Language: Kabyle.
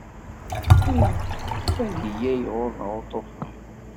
Qrib ad ilal ɣur-neɣ uṭufan.